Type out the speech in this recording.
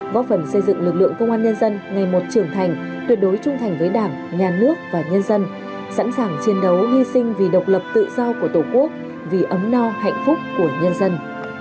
góp phần xây dựng lực lượng công an nhân dân ngày một trưởng thành tuyệt đối trung thành với đảng nhà nước và nhân dân sẵn sàng chiến đấu hy sinh vì độc lập tự do của tổ quốc vì ấm no hạnh phúc của nhân dân